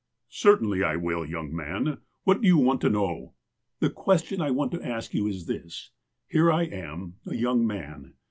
'' Certainly I will, young man. What do you want to knowl" " The question I want to ask you is this : Here I am, a young man.